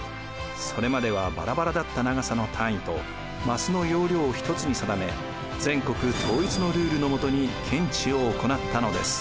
それまではバラバラだった長さの単位と枡の容量を一つに定め全国統一のルールのもとに検地を行ったのです。